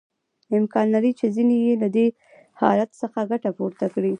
امکان لري چې ځینې یې له دې حالت څخه ګټه پورته کړي